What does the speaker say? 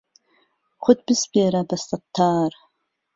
خۆت بسپیره به سهتتار